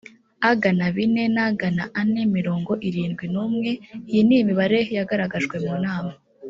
agana bine na agana ane mirongo irindwi n umwe iyi ni imibare yagaragajwe munama